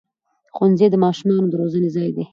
ښوونځی د ماشومانو د روزنې ځای دی